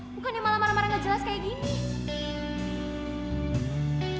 bukannya malah marah marah nggak jelas kayak gini